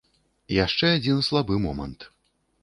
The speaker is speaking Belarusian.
Яшчэ адзін слабы момант.